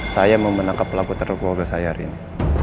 saya mau menangkap pelaku terkogel saya hari ini